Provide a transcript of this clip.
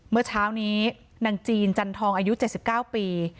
เมื่อเช้านี้นางจีนจันทองอายุ๗๙ปี